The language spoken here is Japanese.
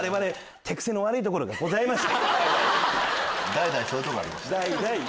代々そういうところがありました。